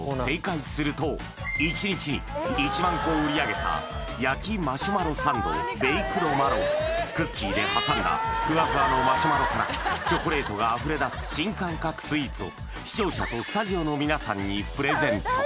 見事１日に１万個売り上げた焼マシュマロサンド・ベイクドマロウクッキーで挟んだフワフワのマシュマロからチョコレートがあふれ出す新感覚スイーツを視聴者とスタジオのみなさんにプレゼント